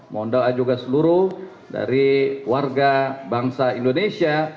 mohon doa juga seluruh dari warga bangsa indonesia